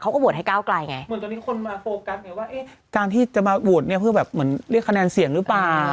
เขาก็โหวตให้ก้าวไกลไงเหมือนตอนนี้คนมาโฟกัสเห็นว่าการที่จะมาโหวตเนี่ยเหมือนเรียกคะแนนเสียงหรือเปล่า